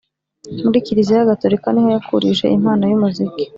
muri kiliziya gatolika niho yakurije impano y’umuziki